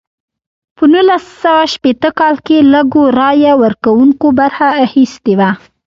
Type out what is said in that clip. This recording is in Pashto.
په نولس سوه شپیته کال کې لږو رایه ورکوونکو برخه اخیستې وه.